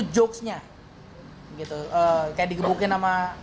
itu jokesnya gitu kayak di gebukin sama